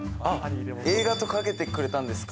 映画とかけてくれたんですか。